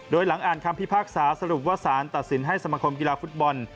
โดยหลังอ่านคำพิพากษาสรุปว่าสารตัดสินให้สมคมกีฬาฟุตบอล